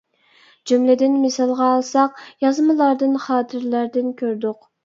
جۈملىدىن مىسالغا ئالساق، يازمىلاردىن، خاتىرىلەردىن كۆردۇق.